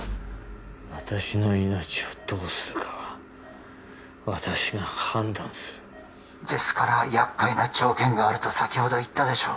私の命をどうするかは私が判断するですから厄介な条件があると先ほど言ったでしょう